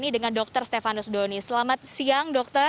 dr stefanus doni selamat siang dokter